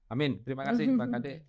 amin terima kasih mbak kak deddy